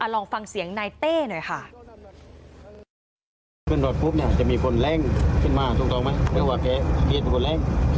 ลองฟังเสียงนายเต้หน่อยค่ะ